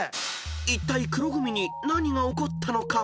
［いったい黒組に何が起こったのか］